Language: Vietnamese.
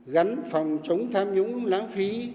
gắn phòng chống tham nhũng lãng phí